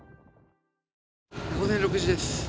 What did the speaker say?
午前６時です。